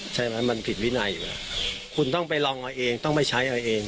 ใช่ไหมมันผิดวินัยอยู่แล้วคุณต้องไปลองเอาเองต้องไปใช้อะไรเอง